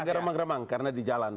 karena remang remang karena di jalan